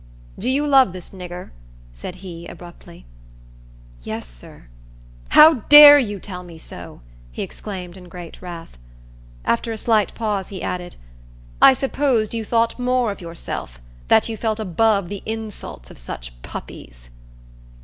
"Do you love this nigger?" said he, abruptly. "Yes, sir." "How dare you tell me so!" he exclaimed, in great wrath. After a slight pause, he added, "I supposed you thought more of yourself; that you felt above the insults of such puppies."